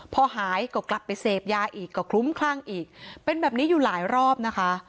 พอหายก็กลับไปเสพยาอีกก็คลุ้มคลั่งอีกเป็นแบบนี้อยู่หลายรอบนะคะ